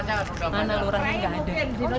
dan lurahnya gak ada